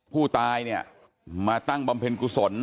ผู้ตายเนี่ยมาตั้งบำเพ็ญกุศล